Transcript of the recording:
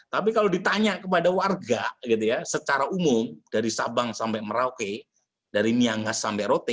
tapi kalau ditanya kepada warga secara umum dari sabang sampai merauke dari miangas sampai rote